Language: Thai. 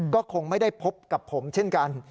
ก็คงไม่ได้พบกับผมเช่นกัน